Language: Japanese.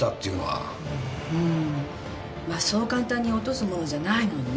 うんまあそう簡単に落とすものじゃないもんね。